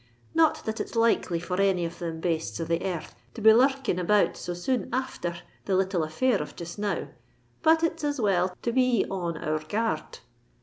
"Not that it's likely for any of them bastes of the ear rth to be lur rking about so soon afther the little affair of jest now: but it's as well to be on our guar rd."